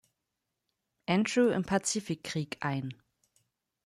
Andrew im Pazifikkrieg ein.